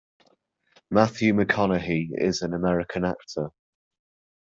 Matthew McConaughey is an American actor.